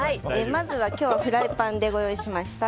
まず、今日フライパンでご用意しました。